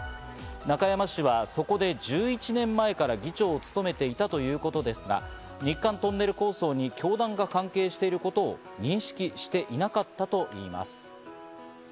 中山氏はそこで１１年前から議長を務めていたということですが、日韓トンネル構想に教団が関係していることを認識していなかったといいます。